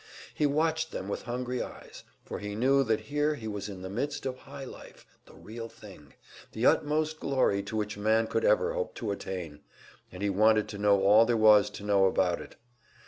He watched them with hungry eyes, for he knew that here he was in the midst of high life, the real thing, the utmost glory to which man could ever hope to attain, and he wanted to know all there was to know about it.